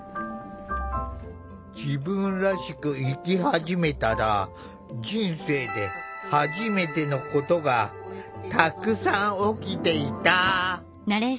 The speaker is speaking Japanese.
自分らしく生き始めたら人生ではじめてのことがたくさん起きていた！